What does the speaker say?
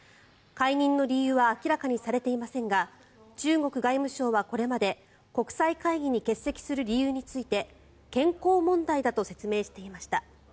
解任の理由は明らかにされていませんが中国外務省はこれまで国際会議に欠席する理由について健康問題だと説明していました。